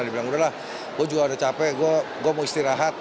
dia bilang udahlah gue juga udah capek gue mau istirahat